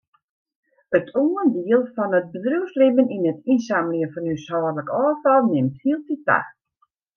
It oandiel fan it bedriuwslibben yn it ynsammeljen fan húshâldlik ôffal nimt hieltyd ta.